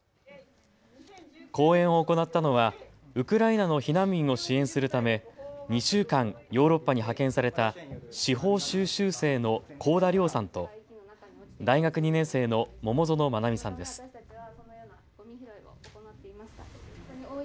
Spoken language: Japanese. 講演を行ったのはウクライナの避難民を支援するため２週間、ヨーロッパに派遣された司法修習生の幸田遼さんと、大学２年生の桃園愛実さんです。